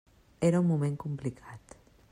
Era un moment complicat.